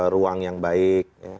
ruang yang baik